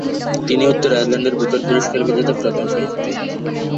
তিনিই উত্তর আয়ারল্যান্ডের বুকার পুরস্কার বিজেতা প্রথম সাহিত্যিক।